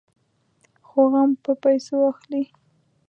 خو غم په پيسو اخلي.